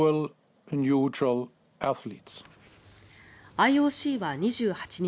ＩＯＣは２８日